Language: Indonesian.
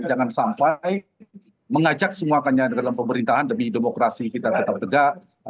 jangan sampai mengajak semuanya dalam pemerintahan demi demokrasi kita tetap tegak